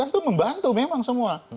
itu membantu memang semua